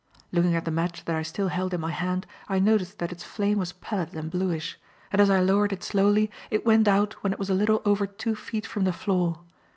Looking at the match that I still held in my hand, I noticed that its flame was pallid and bluish; and as I lowered it slowly, it went out when it was a little over two feet from the floor.